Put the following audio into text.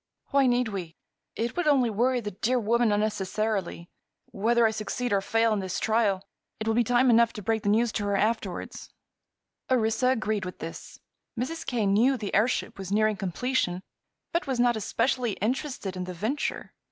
"Why need we? It would only worry the dear woman unnecessarily. Whether I succeed or fail in this trial, it will be time enough to break the news to her afterward." Orissa agreed with this. Mrs. Kane knew the airship was nearing completion but was not especially interested in the venture.